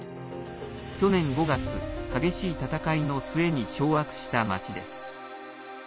去年５月、激しい戦いの末に掌握した町です。